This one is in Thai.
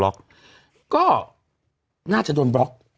ก็น่าจะโดนบล็อก